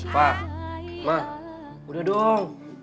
pa ma udah dong